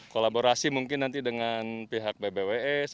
kolaborasi mungkin nanti dengan pihak bbws